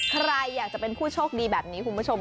ใครอยากจะเป็นผู้โชคดีแบบนี้คุณผู้ชม